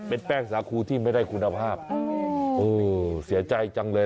เป็นแป้งสาคูที่ไม่ได้คุณภาพโอ้เสียใจจังเลย